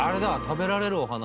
食べられるお花。